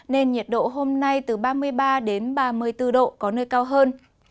nên nhiệt độ hôm nay từ ba mươi ba đến ba mươi bốn độ có nơi cao hơn